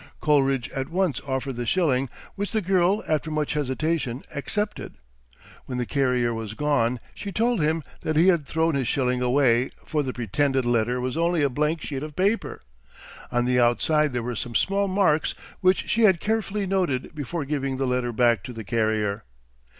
Coleridge at once offered the shilling, which the girl after much hesitation accepted. When the carrier was gone she told him that he had thrown his shilling away, for the pretended letter was only a blank sheet of paper. On the outside there were some small marks which she had carefully noted before giving the letter back to the carrier.